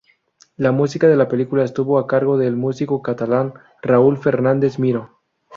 La música de la película estuvo a cargo del músico catalán Raül Fernández Miró.